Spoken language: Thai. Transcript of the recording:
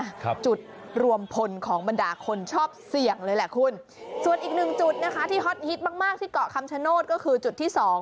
ครับจุดรวมพลของบรรดาคนชอบเสี่ยงเลยแหละคุณส่วนอีกหนึ่งจุดนะคะที่ฮอตฮิตมากมากที่เกาะคำชโนธก็คือจุดที่สอง